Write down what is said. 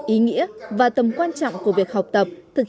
ý nghĩa và tầm quan trọng của việc học tập thực